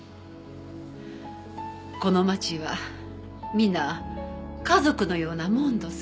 この街は皆家族のようなもんどす。